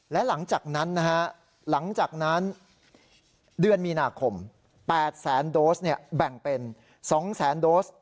และหลังจากนั้นนะฮะหลังจากนั้นเดือนมีนาคม๘แสนโดสแบ่งเป็น๒แสนโดส